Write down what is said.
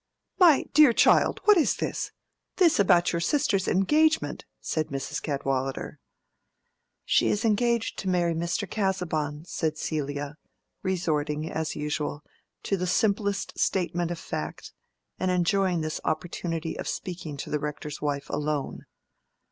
"My dear child, what is this?—this about your sister's engagement?" said Mrs. Cadwallader. "She is engaged to marry Mr. Casaubon," said Celia, resorting, as usual, to the simplest statement of fact, and enjoying this opportunity of speaking to the Rector's wife alone.